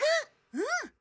うん！